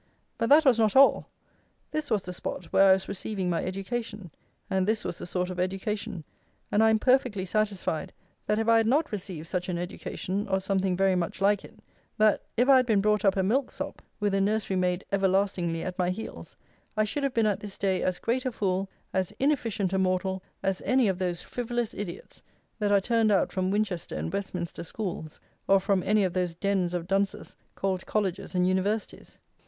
But that was not all. This was the spot where I was receiving my education; and this was the sort of education; and I am perfectly satisfied that if I had not received such an education, or something very much like it; that, if I had been brought up a milksop, with a nursery maid everlastingly at my heels, I should have been at this day as great a fool, as inefficient a mortal, as any of those frivolous idiots that are turned out from Winchester and Westminster Schools, or from any of those dens of dunces called Colleges and Universities.